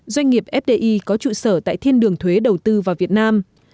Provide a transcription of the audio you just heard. doanh nghiệp fdi có trụ sở tại thiên đường thuế đầu tư vào việt nam